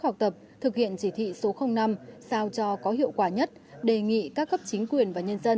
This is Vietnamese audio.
học tập thực hiện chỉ thị số năm sao cho có hiệu quả nhất đề nghị các cấp chính quyền và nhân dân